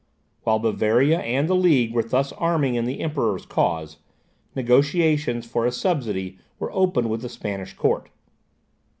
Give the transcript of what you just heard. While Bavaria and the League were thus arming in the Emperor's cause, negotiations for a subsidy were opened with the Spanish court.